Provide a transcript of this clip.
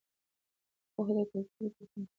پوهه د کلتورونو ترمنځ واټن له منځه وړي.